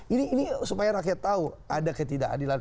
ini supaya rakyat tahu ada ketidakadilan